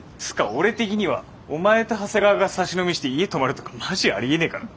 俺的にはお前と長谷川がサシ飲みして家泊まるとかマジありえねえからな。